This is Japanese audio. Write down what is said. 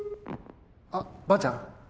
☎あっばあちゃん？